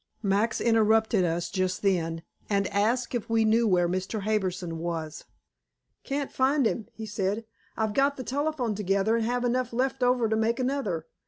Max interrupted us just then, and asked if we knew where Mr. Harbison was. "Can't find him," he said. "I've got the telephone together and have enough left over to make another.